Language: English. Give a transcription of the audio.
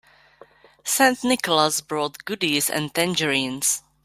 St. Nicholas brought goodies and tangerines.